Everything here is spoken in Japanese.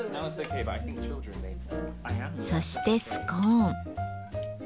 そしてスコーン。